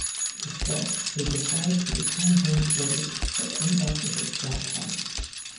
Distraught, they decide to return home early, but end up with a flat tire.